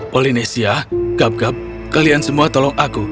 polinesia gap gap kalian semua tolong aku